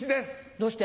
どうして？